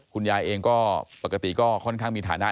คุณยายเองก็ปกติก็ค่อนข้างมีฐานะ